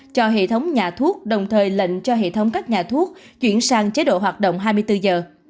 cho hệ thống nhà thuốc đồng thời lệnh cho hệ thống các nhà thuốc chuyển sang chế độ hoạt động hai mươi bốn giờ